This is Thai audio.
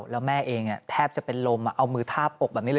แล้วแม่เองแทบจะเป็นลมเอามือทาบอกแบบนี้เลย